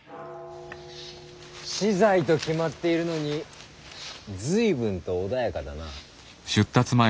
死罪と決まっているのに随分と穏やかだな。